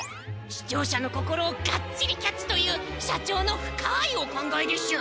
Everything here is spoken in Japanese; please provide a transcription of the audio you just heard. しちょう者の心をがっちりキャッチという社長のふかいお考えでしゅ。